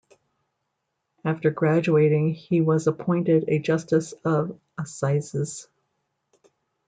After graduating he was appointed a justice of assizes.